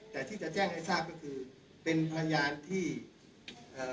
แต่ที่จะแจ้งให้ทราบก็คือเป็นพยานที่เอ่อ